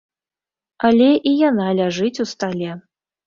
Але і яна ляжыць у стале.